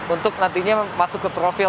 untuk nantinya masuk ke profil